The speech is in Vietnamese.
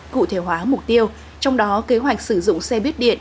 cụ thể hóa mục tiêu trong đó kế hoạch sử dụng xe buýt điện